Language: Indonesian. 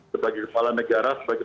sebagai kepala negara sebagai